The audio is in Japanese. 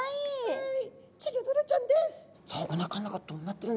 はい。